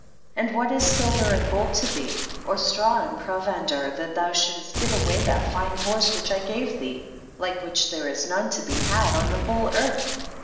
and what is silver and gold to thee, or straw and provender, that thou shouldst give away that fine horse which I gave thee, like which there is none to be had on the whole earth